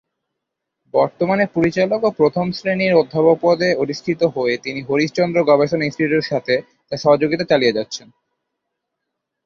বর্তমানে পরিচালক ও প্রথম শ্রেণির অধ্যাপক পদে অধিষ্ঠিত হয়ে তিনি হরিশ-চন্দ্র গবেষণা ইনস্টিটিউটের সাথে তার সহযোগিতা চালিয়ে যাচ্ছেন।